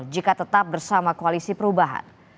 jika tetap bersama koalisi perubahan